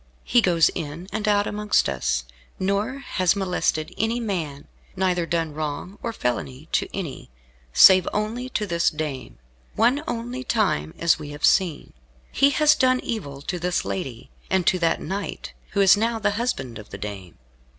He goes in and out amongst us, nor has molested any man, neither done wrong or felony to any, save only to this dame, one only time as we have seen. He has done evil to this lady, and to that knight, who is now the husband of the dame.